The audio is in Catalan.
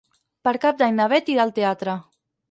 Per Cap d'Any na Beth irà al teatre.